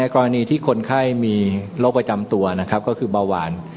กรณีที่คนไข้มีโรคประจำตัวนะครับก็คือเบาหวาน